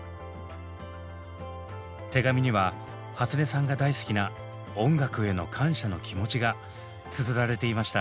手紙にははつねさんが大好きな「音楽」への感謝の気持ちがつづられていました。